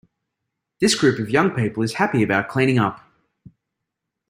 This group of young people is happy about cleaning up.